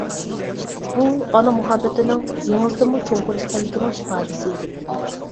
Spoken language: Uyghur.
بۇ ئانا مۇھەببىتىنىڭ دېڭىزدىنمۇ چوڭقۇر ئىكەنلىكىنىڭ ئىپادىسى ئىدى.